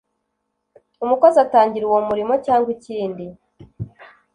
umukozi atangira uwo murimo cyangwa ikindi